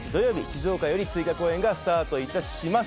静岡より追加公演がスタートいたします